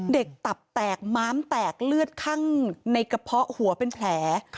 ตับแตกม้ามแตกเลือดข้างในกระเพาะหัวเป็นแผล